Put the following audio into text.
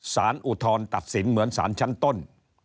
อุทธรณ์ตัดสินเหมือนสารชั้นต้น